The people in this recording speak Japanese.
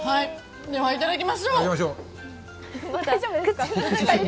ではいただきましょう。